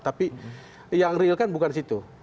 tapi yang real kan bukan situ